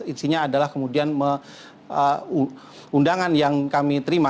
isinya adalah kemudian undangan yang kami terima